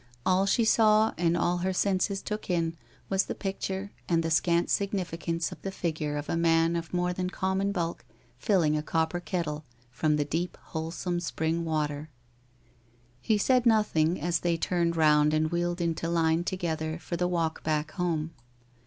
All she saw and all her senses took in was the picture and the scant signiiicance of the figure of a man of more than common bulk tilling a copper kettle from the deep wholesome spring water. He said nothing as they turned round and wheeled into line together for the walk back home.